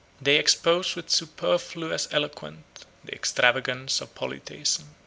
They expose with superfluous wit and eloquence the extravagance of Polytheism.